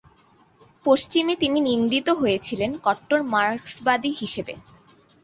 পশ্চিমে তিনি নিন্দিত হয়েছিলেন কট্টর মার্ক্সবাদী হিসেবে।